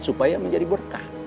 supaya menjadi berkah